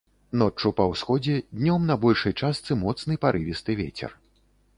Ноччу па ўсходзе, днём на большай частцы моцны парывісты вецер.